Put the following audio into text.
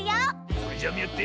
それじゃあみあって。